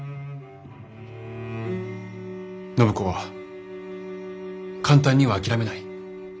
暢子は簡単には諦めない。